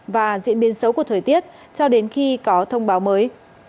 và diễn biến xấu của thời tiết cho đến khi có thông báo mới